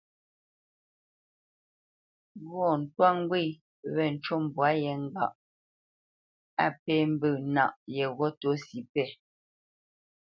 Ghɔ̂ ntwá ŋgwé wé ncu mbwá yé ŋgâʼ á pé mbə̂ nâʼ yeghó tɔ́si yépɛ̂.